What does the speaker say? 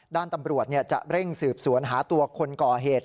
ด้านตำรวจจะเร่งสืบสวนหาตัวคนก่อเหตุ